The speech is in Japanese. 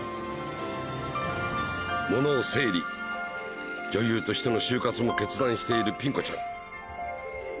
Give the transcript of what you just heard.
ものを整理女優としての終活も決断しているピン子ちゃん